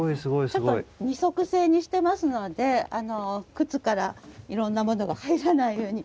ちょっと二足制にしてますので靴からいろんなものが入らないように。